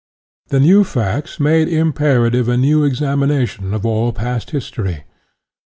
/" The new facts made imperative a new examination of all past history.